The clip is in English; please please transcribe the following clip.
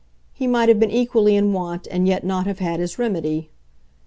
He might have been equally in want and yet not have had his remedy.